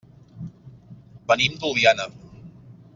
Venim d'Oliana.